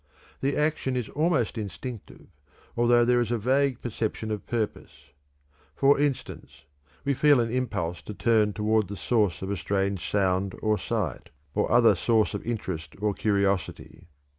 The action is almost instinctive, although there is a vague perception of purpose. For instance, we feel an impulse to turn toward the source of a strange sound or sight, or other source of interest or curiosity.